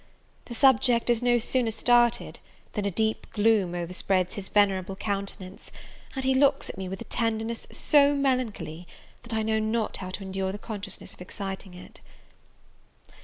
The subject is no sooner started, than a deep gloom overspreads his venerable countenance, and he looks at me with a tenderness so melancholy, that I know not how to endure the consciousness of exciting it.